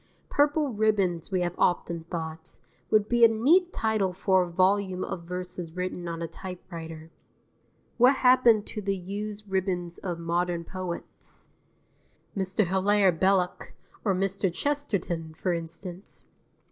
"Purple Ribbons" we have often thought, would be a neat title for a volume of verses written on a typewriter. What happens to the used ribbons of modern poets? Mr. Hilaire Belloc, or Mr. Chesterton, for instance.